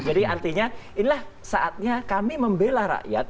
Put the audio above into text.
jadi artinya inilah saatnya kami membela rakyat